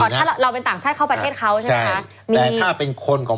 ถ้าเราเป็นต่างชาติเข้าประเทศเขาใช่ไหมคะมีแต่ถ้าเป็นคนของ